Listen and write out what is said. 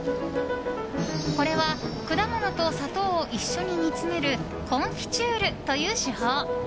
これは果物と砂糖を一緒に煮詰めるコンフィチュールという手法。